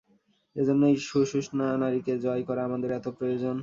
এই জন্যই সুষুম্না নাড়ীকে জয় করা আমাদের এত প্রয়োজন।